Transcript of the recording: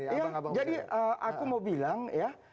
jadi aku mau bilang ya